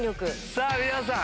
さぁ皆さん！